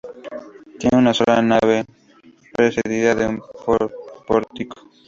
Tiene una sola nave precedida de un pórtico.